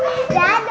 dadah duluan tos ya